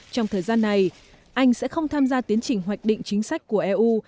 trong thời gian này anh sẽ không tham gia tiến trình hoạch định chính sách của eu